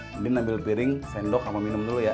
mungkin ambil piring sendok sama minum dulu ya